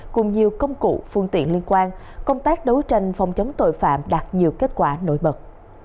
cùng nhiều công cụ phương tiện liên quan công tác đấu tranh phòng chống tội phạm đạt nhiều kết quả nổi bật